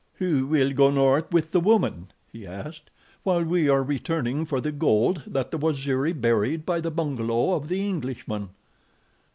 "Who will go north with the woman," he asked, "while we are returning for the gold that the Waziri buried by the bungalow of the Englishman?"